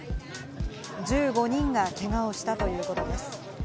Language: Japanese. １５人がけがをしたということです。